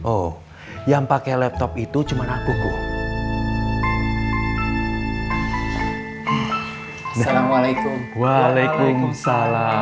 oh yang pakai laptop itu cuma aku gua